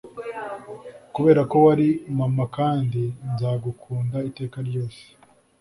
kuberako wari mama kandi nzagukunda iteka ryose